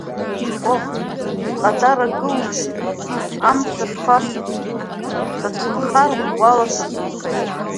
Ҟоҳ, сҟатара кылижәеит, амца шԥасыцроу, сацәынхар ӷәӷәала сацәынхеит.